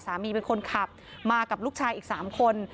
เป็นคนขับมากับลูกชายอีก๓คน